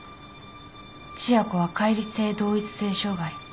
千夜子は解離性同一性障害。